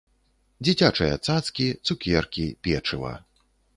Дзіцячыя цацкі, цукеркі, печыва.